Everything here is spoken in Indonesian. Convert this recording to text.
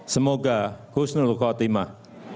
semoga khusnul khotimah